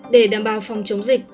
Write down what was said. để đảm bảo phòng chống dịch